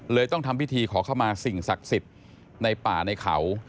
ต้องทำพิธีขอเข้ามาสิ่งศักดิ์สิทธิ์ในป่าในเขา